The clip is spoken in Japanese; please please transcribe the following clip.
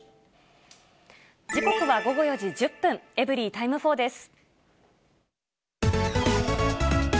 時刻は午後４時１０分、エブリィタイム４です。